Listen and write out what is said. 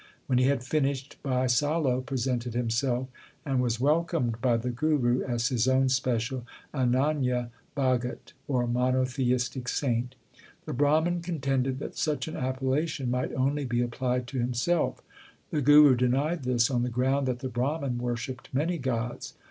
When he had finished, Bhai Salo presented himself, and was welcomed by the Guru as his own special Ananya Bhagat, or monotheistic saint. The Brahman con tended that such an appellation might only be applied to himself, The Guru denied this on the ground that the Brahman worshipped many gods.